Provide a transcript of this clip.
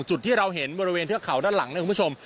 จุดที่เราเห็นบริเวณเทือกเขาด้านหลังนะคุณผู้ชม